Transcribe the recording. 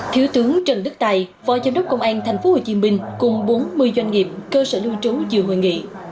thiếu tướng trần đức tài phó giám đốc công an tp hcm cùng bốn mươi doanh nghiệp cơ sở lưu trú dự hội nghị